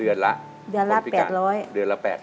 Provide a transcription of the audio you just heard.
เดือนละคนภิการ๘๐๐บาท